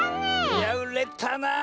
いやうれたな！